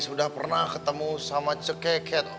sudah pernah ketemu sama cekeket